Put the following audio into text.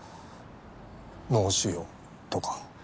脳腫瘍とか。